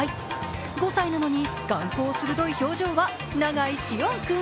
５歳のなのに眼光鋭い表情は永井師園君。